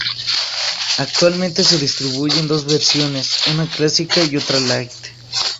Actualmente se distribuye en dos versiones, una clásica y otra light.